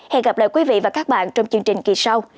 hẹn gặp lại quý vị và các bạn trong chương trình kỳ sau